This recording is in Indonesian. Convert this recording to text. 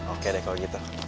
oke deh kalo gitu